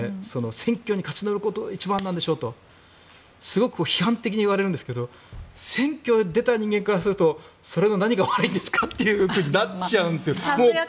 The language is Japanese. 選挙に勝ち残ることが一番なんでしょとすごく批判的に言われるんですが選挙に出た人間からするとそれの何が悪いんですかとなっちゃうんですよ。